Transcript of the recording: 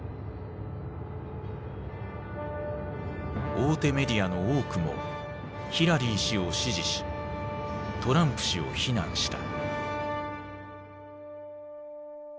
大手メディアの多くもヒラリー氏を支持しトランプ氏を非難した。